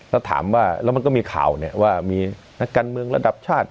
แล้วถามว่าแล้วมันก็มีข่าวว่ามีนักการเมืองระดับชาติ